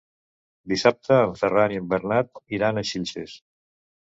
Dissabte en Ferran i en Bernat iran a Xilxes.